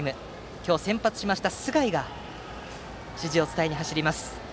今日先発した須貝が旅川監督の指示を伝えに走ります。